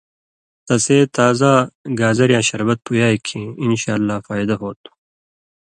تسے تازہ گازریۡ یاں شربت پویائ کھیں انشاءاللہ فائدہ ہوتُھو۔